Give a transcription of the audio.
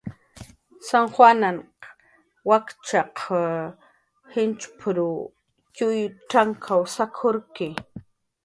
"San juanahn wakchkunq jinchp""rw txuy t'ank sak""urki "